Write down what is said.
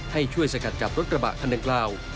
ให้ช่วยสกัดจับรถกระบะคันดังกล่าว